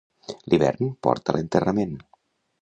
L'hivern porta l'enterrament.